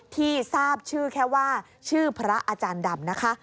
ที่ทราบชื่อแค่ว่าชื่อพระอาจารย์ดำนะคะ